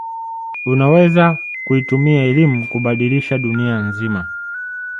unaweza kuitumia elimu kubadilisha dunia nzima